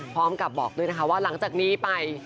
พร้อมกับบอกด้วยนะคะว่าหลังจากนี้ไป